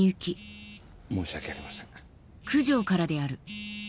申し訳ありません。